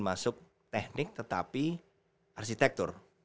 masuk teknik tetapi arsitektur